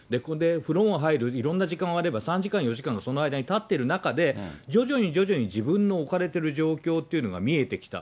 風呂も入る、いろんな時間があれば、３時間、４時間、その間にたっている中で、徐々に徐々に自分の置かれてる状況というのが見えてきた。